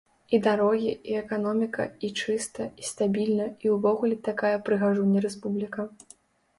І дарогі, і эканоміка, і чыста, і стабільна, і ўвогуле такая прыгажуня-рэспубліка.